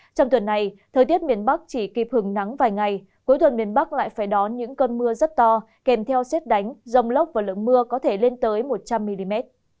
trong tuần này thời tiết miền bắc chỉ kịp hừng nắng vài ngày cuối tuần miền bắc lại phải đón những cơn mưa rất to kèm theo xét đánh rông lốc và lượng mưa có thể lên tới một trăm linh mm